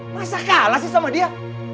masa kalah sih sama dia